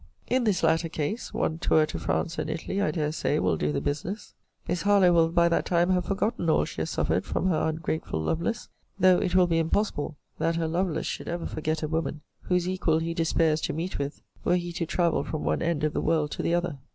In this latter case, one tour to France and Italy, I dare say, will do the business. Miss Harlowe will by that time have forgotten all she has suffered from her ungrateful Lovelace: though it will be impossible that her Lovelace should ever forget a woman, whose equal he despairs to meet with, were he to travel from one end of the world to the other.